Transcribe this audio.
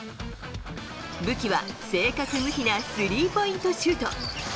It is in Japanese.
武器は正確無比なスリーポイントシュート。